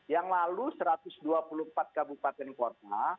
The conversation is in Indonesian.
yang lalu satu ratus dua puluh empat kabupaten kota